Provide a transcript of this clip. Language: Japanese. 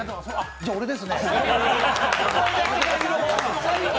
じゃあ俺ですね。